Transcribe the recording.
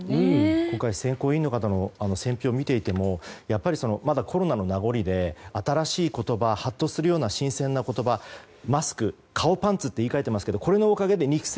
選考委員の方の選評を見ていてもやっぱり、まだコロナの名残で新しい言葉はっとするような新鮮な言葉マスク、顔パンツって言い換えてますけどこれのおかげで育成